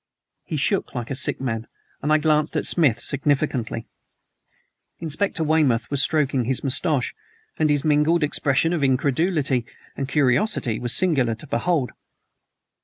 He shook like a sick man, and I glanced at Smith significantly. Inspector Weymouth was stroking his mustache, and his mingled expression of incredulity and curiosity was singular to behold.